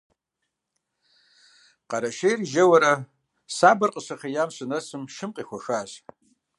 Къэрэшейр жэурэ сабэр къыщыхъеям щынэсым, шым къехуэхащ.